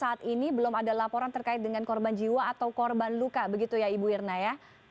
saat ini belum ada laporan terkait dengan korban jiwa atau korban luka begitu ya ibu irna ya